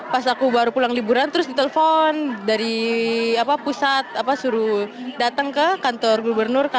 pas aku baru pulang liburan terus ditelepon dari pusat suruh datang ke kantor gubernur